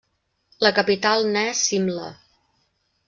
La capital n'és Simla.